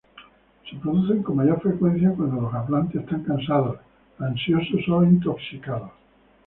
Se producen con mayor frecuencia cuando los hablantes están cansados, ansiosos o intoxicados.